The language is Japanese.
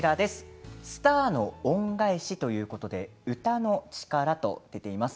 スターの恩返しということで歌の力と出ています。